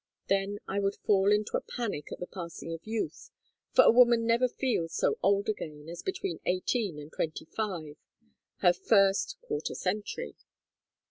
Then I would fall into a panic at the passing of youth, for a woman never feels so old again as between eighteen and twenty five her first quarter century.